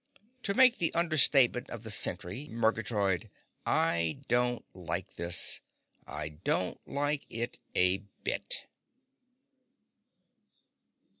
To make the understatement of the century, Murgatroyd, I don't like this. I don't like it a bit!"